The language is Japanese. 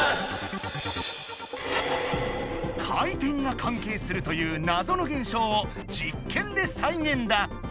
「回転」が関係するというなぞの現象を実験で再現だ！